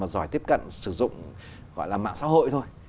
giỏi tiếp cận sử dụng gọi là mạng xã hội thôi